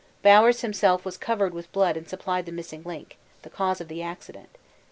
Bowers himself was covered with blood and supplied the missing link the cause of the incident.